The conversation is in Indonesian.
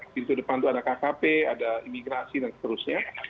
pintu depan itu ada kkp ada imigrasi dan seterusnya